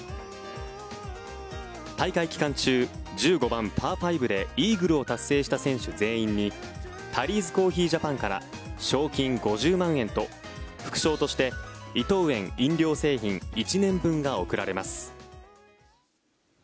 大会期間中１５番、パー５でイーグルを達成した選手全員にタリーズコーヒージャパンから賞金５０万円と副賞として伊藤園飲料製品１年分が贈られます。